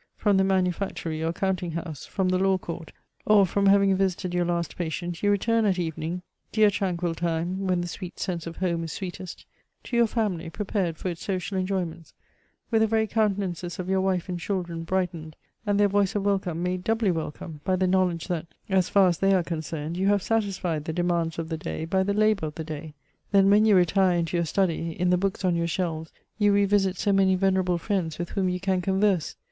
From the manufactory or counting house, from the law court, or from having visited your last patient, you return at evening, Dear tranquil time, when the sweet sense of Home Is sweetest to your family, prepared for its social enjoyments, with the very countenances of your wife and children brightened, and their voice of welcome made doubly welcome, by the knowledge that, as far as they are concerned, you have satisfied the demands of the day by the labour of the day. Then, when you retire into your study, in the books on your shelves you revisit so many venerable friends with whom you can converse.